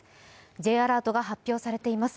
Ｊアラートが発表されています。